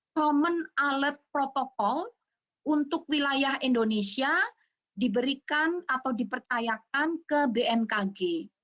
common alert protocol untuk wilayah indonesia diberikan atau dipertayakan ke bmkg